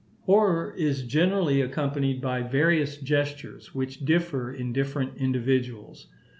Horror is generally accompanied by various gestures, which differ in different individuals.